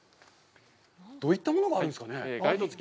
どういったものがあるんですかね。